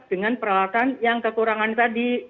dengan peralatan yang kekurangan tadi